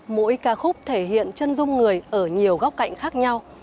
mỗi ca khúc thể hiện chân dung người ở nhiều góc cạnh khác nhau